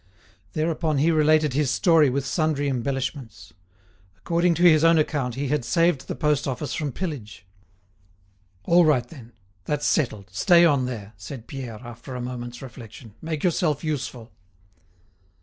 Thereupon he related his story with sundry embellishments. According to his own account he had saved the post office from pillage. "All right then! That's settled! Stay on there!" said Pierre, after a moment's reflection. "Make yourself useful."